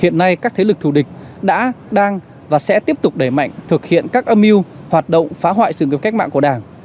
hiện nay các thế lực thù địch đã đang và sẽ tiếp tục đẩy mạnh thực hiện các âm mưu hoạt động phá hoại sự nghiệp cách mạng của đảng